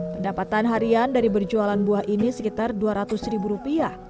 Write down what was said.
pendapatan harian dari berjualan buah ini sekitar dua ratus ribu rupiah